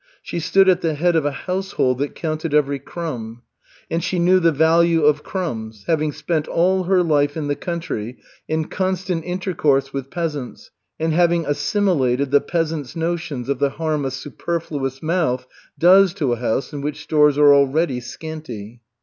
She stood at the head of a household that counted every crumb. And she knew the value of crumbs, having spent all her life in the country in constant intercourse with peasants and having assimilated the peasant's notions of the harm a "superfluous mouth" does to a house in which stores are already scanty.